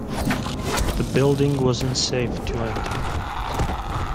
The building was unsafe to enter.